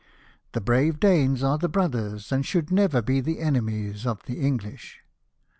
The brave Danes are the brothers, and should never be the enemies, of tbe Enghsh."